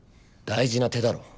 大事な手だろ。